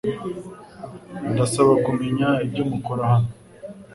Ndasaba kumenya ibyo mukora hano .